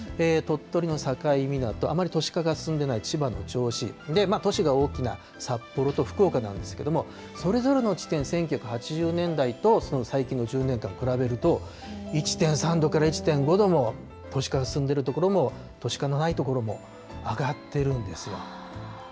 鳥取の境港、あまり都市化が進んでいない千葉の銚子、都市が大きな札幌と福岡なんですけれども、それぞれの地点、１９８０年代とその最近の１０年間を比べると、１．３度から１．５度の都市化が進んでいる所も、都市化のない所も上がってるんですよ。